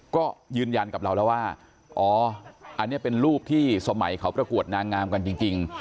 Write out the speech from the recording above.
ก็ยืนยันกับเราแล้วว่าอ๋ออันนี้เป็นรูปที่สมัยเขาประกวดนางงามกันจริง